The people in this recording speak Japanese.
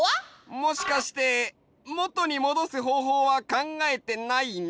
もしかしてもとにもどすほうほうはかんがえてないの？